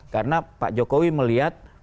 karena pak jokowi melihat